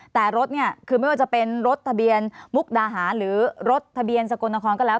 แต่รถเนี่ยคือไม่ว่าจะเป็นรถทะเบียนมุกดาหารหรือรถทะเบียนสกลนครก็แล้ว